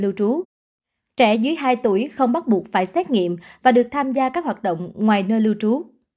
lưu trú trẻ dưới hai tuổi không bắt buộc phải xét nghiệm và được tham gia các hoạt động ngoài nơi lưu trú